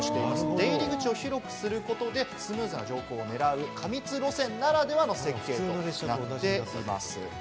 出入り口を広くすることで、スムーズな乗降を狙う過密路線ならではの設計となっています。